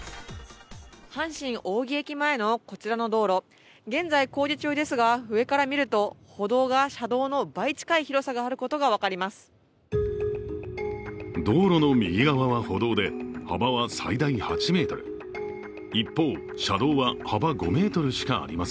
阪神青木駅前のこちらの道路現在工事中ですが、上から見ると歩道が車道の倍近い広さがあることが分かります。